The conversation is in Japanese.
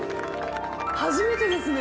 初めてですね！